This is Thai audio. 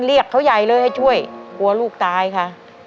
เรียกเขาใหญ่เลยให้ช่วยกลัวลูกตายค่ะ